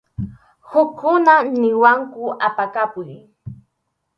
Hukkuna niwanku apakapuy.